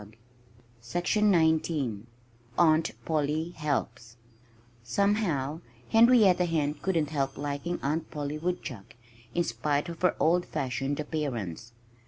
(Page 91)] XIX AUNT POLLY HELPS Somehow Henrietta Hen couldn't help liking Aunt Polly Woodchuck, in spite of her old fashioned appearance.